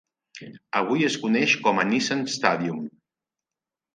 Avui es coneix com a Nissan Stadium.